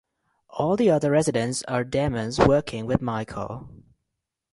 All the other residents are demons working with Michael.